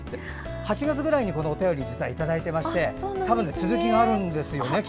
８月ぐらいにこのお便りいただいていまして多分、続きがあるんですよね。